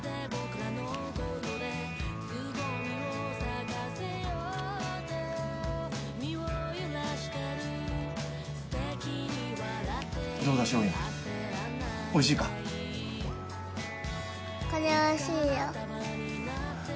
これおいしいよ。